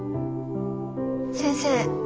先生